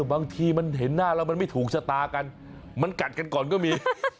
บางทีมันเห็นหน้าแล้วมันไม่ถูกชะตากันมันกัดกันก่อนก็มี